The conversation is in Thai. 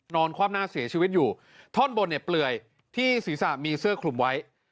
ความหน้าเสียชีวิตอยู่ท่อนบนเนี่ยเปลื่อยที่ศีรษะมีเสื้อคลุมไว้